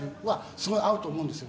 爐すごい合うと思うんですよ。